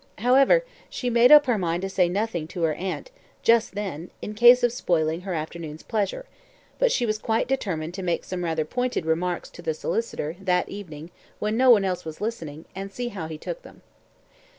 However, she made up her mind to say nothing to her aunt just then in case of spoiling her afternoon's pleasure, but she was quite determined to make some rather pointed remarks to the solicitor that evening when no one else was listening, and see how he took them.